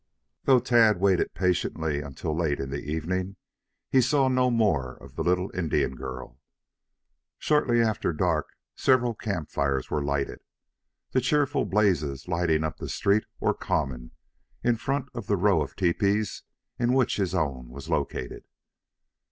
Though Tad waited patiently until late in the evening, he saw no more of the little Indian girl. Shortly after dark several camp fires were lighted, the cheerful blazes lighting up the street or common in front of the row of tepees in which his own was located.